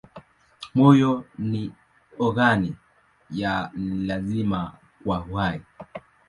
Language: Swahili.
Moyo ni ogani ya lazima kwa uhai.